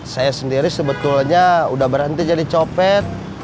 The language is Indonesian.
saya sendiri sebetulnya sudah berhenti jadi copet